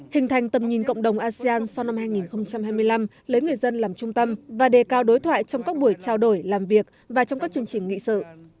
hình thành tầm nhìn cộng đồng asean sau năm hai nghìn hai mươi năm lấy người dân làm trung tâm và đề cao đối thoại trong các buổi trao đổi làm việc và trong các chương trình nghị sự